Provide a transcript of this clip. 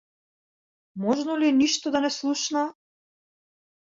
Можно ли е ништо да не слушнаа?